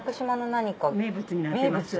名物になってます。